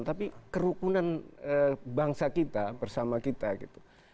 tapi kerukunan bangsa kita bersama kita gitu